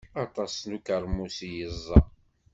Aṭas n ukermus i yeẓẓa.